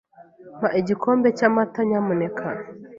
Mpa igikombe cyamata, nyamuneka.